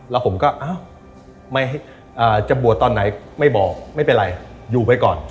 แล้วผมก็อ้าวจะบวชตอนไหนไม่บอกไม่เป็นไรอยู่ไปก่อน